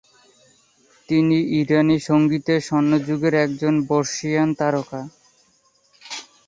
তিনি ইরানি সঙ্গীতের স্বর্ণযুগের একজন বর্ষীয়ান তারকা।